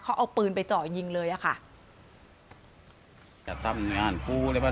เขาเอาปืนไปจ่อยยิงเลยอะค่ะ